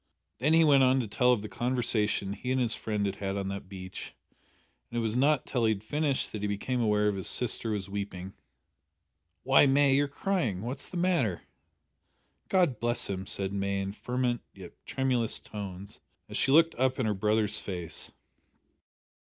Then he went on to tell of the conversation he and his friend had had on that beach, and it was not till he had finished that he became aware that his sister was weeping. "Why, May, you're crying. What's the matter?" "God bless him!" said May in fervent yet tremulous tones as she looked up in her brother's face.